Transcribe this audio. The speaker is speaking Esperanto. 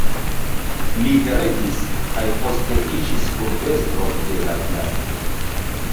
Li heredis, kaj poste iĝis urbestro de la vilaĝo.